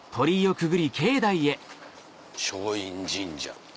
松陰神社。